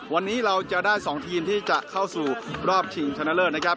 วันนี้เราจะได้๒ทีมที่จะเข้าสู่รอบชิงชนะเลิศนะครับ